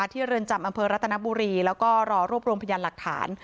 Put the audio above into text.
ที่เรือนจำอันเพิร์นรัฐนบุรีแล้วก็รอรวบรวมพยานหลักฐาน